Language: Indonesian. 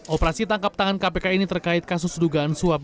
operasi tangkap tangan kpk ini terkait kasus dugaan suap